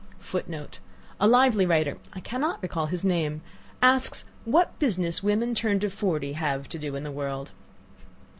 (*Footnote. A lively writer, I cannot recollect his name, asks what business women turned of forty have to do in the world.)